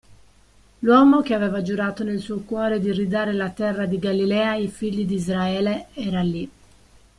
L'uomo, che aveva giurato nel suo cuore di ridare la Terra di Galilea ai figli d'Israele, era lì.